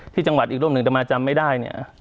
ที่จังหวัดอีกรูปหนึ่งแต่มาจำไม่ได้เนี่ย